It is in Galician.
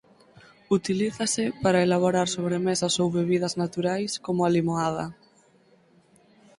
Utilízase para elaborar sobremesas ou bebidas naturais como a limoada.